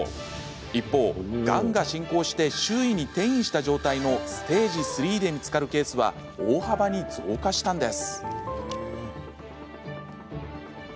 一方、がんが進行して周辺に転移した状態のステージ３で見つかるケースは大幅に増加したんです。